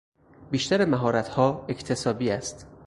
بیشتر مهارتها اکتسابی است.